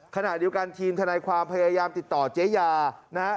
ขณะเดียวกันทีมทนายความพยายามติดต่อเจ๊ยานะฮะ